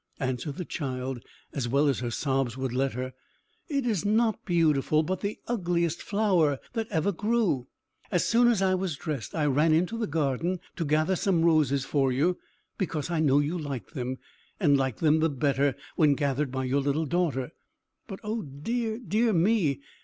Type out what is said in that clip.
answered the child, as well as her sobs would let her; "it is not beautiful, but the ugliest flower that ever grew! As soon as I was dressed I ran into the garden to gather some roses for you; because I know you like them, and like them the better when gathered by your little daughter. But, oh dear, dear me.